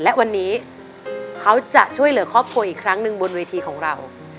และวันนี้เขาจะช่วยเหลือครอบครัวอีกครั้งหนึ่งบนเวทีของเรา